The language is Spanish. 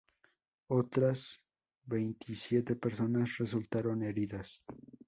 Otras veintisiete personas resultaron heridas.